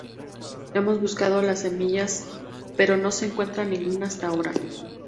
Hemos buscado las semillas pero no se encuentra ninguna, hasta ahora.